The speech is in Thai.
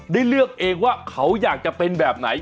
เลือกเองว่าเขาอยากจะเป็นแบบไหน